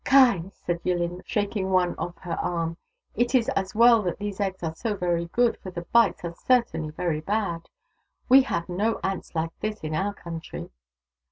" Ky 1 " said Yillin, shaking one off her arm. " It is as well that these eggs are so very good, for the bites are certainly very bad. We have no ants like these in our country."